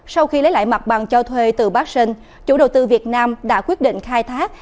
sau khi lấy lại mặt bằng cho thuê từ bắc sơn chủ đầu tư việt nam đã quyết định khai thác